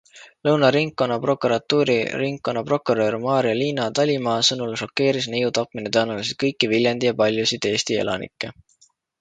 Lõuna Ringkonnaprokuratuuri ringkonnaprokurör Marja-Liina Talimaa sõnul šokeeris neiu tapmine tõenäoliselt kõiki Viljandi ja paljusid Eesti elanikke.